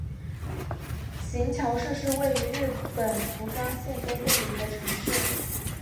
行桥市是位于日本福冈县东部的一个城市。